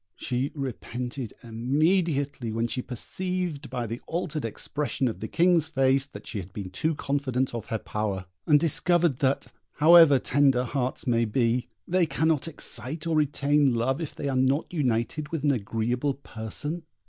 She repented immediately when she perceived by the altered expression of the King's face that she had been too confident of her power, and discovered that, however tender hearts may be, they cannot excite or retain love if they are not united with an agreeable person.